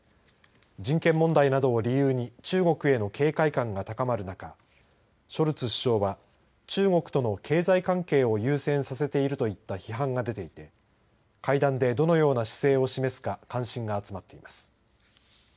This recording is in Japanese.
人権問題などを理由に中国への警戒感が高まる中ショルツ首相は中国との経済関係を優先させているといった批判が出ていて会談で、どのような姿勢を示すか関心が集まっています。